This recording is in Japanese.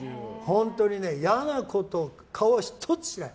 本当に、嫌な顔一つしない。